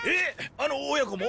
あの親子も？